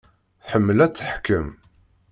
Tḥemmel ad teḥkem.